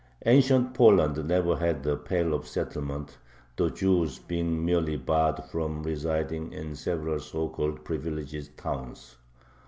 Ancient Poland never had a "Pale of Settlement," the Jews being merely barred from residing in several so called "privileged" towns.